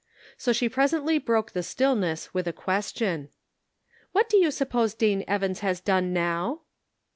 So she presently broke the stillness with a question :" What do you suppose Dane Evans has done now?